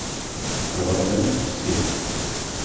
Lbaḍna n at tessirt.